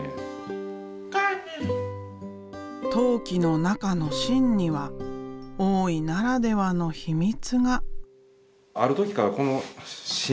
陶器の中の芯には大井ならではの秘密が。